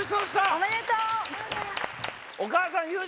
おめでとう！